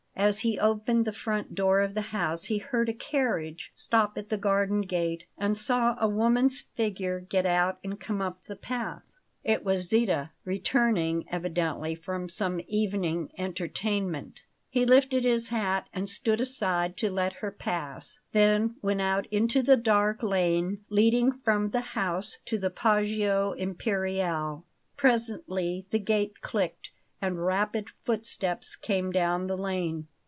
As he opened the front door of the house he heard a carriage stop at the garden gate and saw a woman's figure get out and come up the path. It was Zita, returning, evidently, from some evening entertainment. He lifted his hat and stood aside to let her pass, then went out into the dark lane leading from the house to the Poggio Imperiale. Presently the gate clicked and rapid footsteps came down the lane.